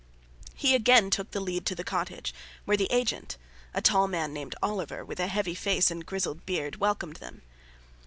He again took the lead to the cottage, where the agent, a tall man named Oliver, with a heavy face and grizzled beard, welcomed them.